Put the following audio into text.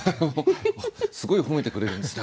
すごい褒めてくれるんですね